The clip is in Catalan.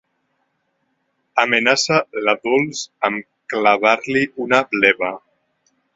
Amenaça la Dols amb clavar-li una bleva.